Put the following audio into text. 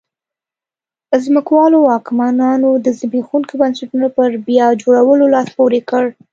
ځمکوالو واکمنانو د زبېښونکو بنسټونو پر بیا جوړولو لاس پورې کړ.